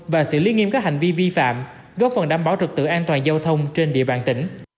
và xử lý nghiêm các hành vi vi phạm góp phần đảm bảo trực tự an toàn giao thông trên địa bàn tỉnh